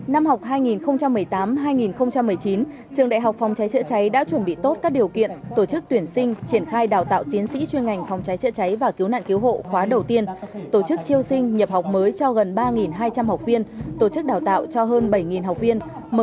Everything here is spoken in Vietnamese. năm học hai nghìn một mươi tám hai nghìn một mươi chín trường đại học phòng cháy chữa cháy đã chuẩn bị tốt các điều kiện tổ chức tuyển sinh triển khai đào tạo tiến sĩ chuyên ngành phòng cháy chữa cháy và cứu nạn cứu hộ khóa đầu tiên tổ chức triêu sinh nhập học mới cho gần ba hai trăm linh học viên tổ chức đào tạo cho hơn bảy học viên